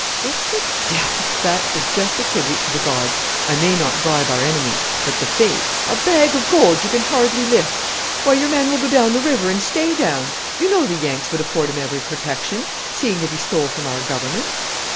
"What the devil " "That is just a tribute to the gods; I may not bribe our enemies, but the fates " "A bag of gold you can hardly lift! Why, your man will go down the River and stay down. You know the Yanks would afford him every protection, seeing that he stole from our Government."